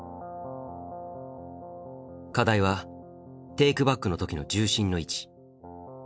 課題はテイクバックの時の重心の位置。